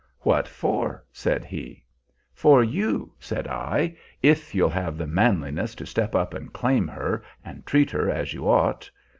"'What for?' said he. "'For you,' said I, 'if you'll have the manliness to step up and claim her, and treat her as you ought.